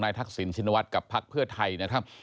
ทักษิณชินวัฒน์กับพักเพื่อไทยนะครับ